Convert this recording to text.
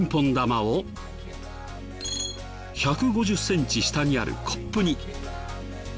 １５０センチ下にあるコップに。